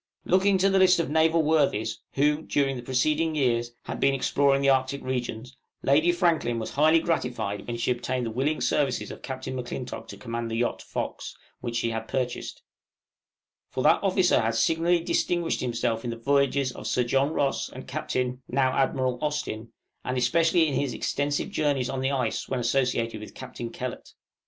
Looking to the list of Naval worthies, who, during the preceding years, had been exploring the Arctic Regions, Lady Franklin was highly gratified when she obtained the willing services of Captain M'Clintock to command the yacht 'Fox,' which she had purchased; for that officer had signally distinguished himself in the voyages of Sir John Ross and Captain (now Admiral) Austin, and especially in his extensive journeys on the ice when associated with Captain Kellett.